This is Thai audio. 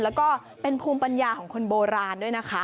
แล้วก็เป็นภูมิปัญญาของคนโบราณด้วยนะคะ